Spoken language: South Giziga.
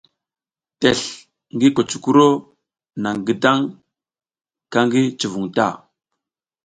Tesl ngi kucukuro naƞ gidang ka ki cuvun ta.